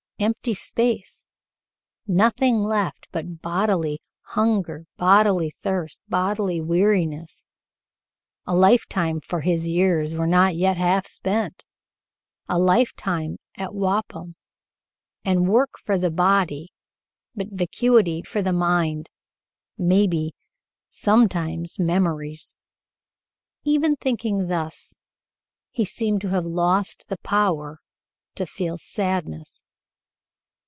Empty space. Nothing left but bodily hunger, bodily thirst, bodily weariness. A lifetime, for his years were not yet half spent, a lifetime at Waupun, and work for the body, but vacuity for the mind maybe sometimes memories. Even thinking thus he seemed to have lost the power to feel sadness.